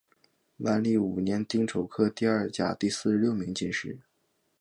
万历五年丁丑科第二甲第四十六名进士。